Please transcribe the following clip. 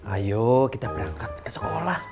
ayo kita berangkat ke sekolah